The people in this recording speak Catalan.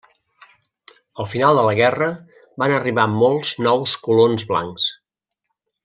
Al final de la guerra, van arribar molts nous colons blancs.